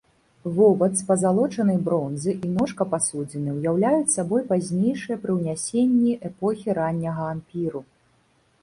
Вобад з пазалочанай бронзы і ножка пасудзіны ўяўляюць сабой пазнейшыя прыўнясенні эпохі ранняга ампіру.